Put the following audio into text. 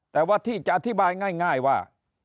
แต่ว่าที่จะอธิบายง่ายว่า